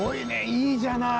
いいじゃない！